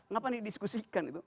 ngapain didiskusikan itu